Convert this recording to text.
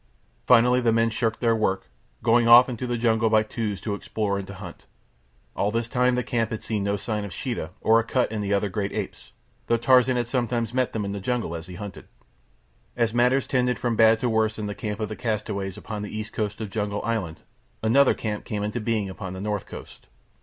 Finally the men shirked their work, going off into the jungle by twos to explore and to hunt. All this time the camp had had no sight of Sheeta, or Akut and the other great apes, though Tarzan had sometimes met them in the jungle as he hunted. And as matters tended from bad to worse in the camp of the castaways upon the east coast of Jungle Island, another camp came into being upon the north coast.